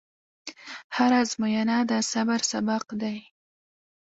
هره ازموینه د صبر سبق دی.